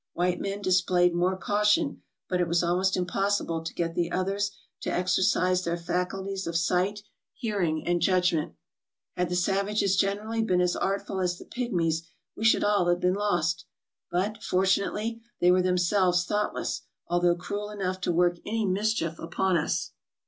White men displayed more caution, but it was almost impossible to get the others to exercise their faculties of sight, hearing, and judgment. Had the savages generally been as artful as the pigmies we should all have been lost. But, fortu nately, they were themselves thoughtless, although cruel enough to work any mischief upon us.